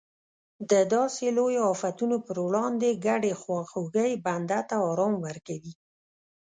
د داسې لویو افتونو پر وړاندې ګډې خواخوږۍ بنده ته ارام ورکوي.